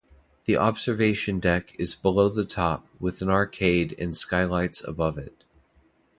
The observation deck is below the top, with an arcade and skylights above it.